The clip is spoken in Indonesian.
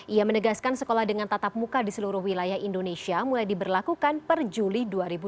ia menegaskan sekolah dengan tatap muka di seluruh wilayah indonesia mulai diberlakukan per juli dua ribu dua puluh